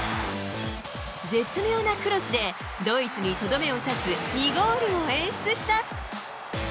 絶妙なクロスで、ドイツにとどめを刺す２ゴールを演出した。